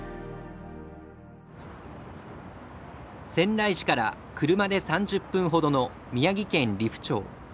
仙台市から車で３０分ほどの宮城県利府町。